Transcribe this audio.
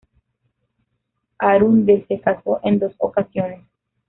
Arundel se casó en dos ocasiones.